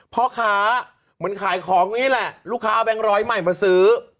พ่อค้าเหมือนขายของตรงนี้แหละลูกค้าแบงค์ร้อยใหม่มาซื้อ